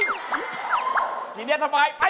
ตรงนี้สบายต่อไป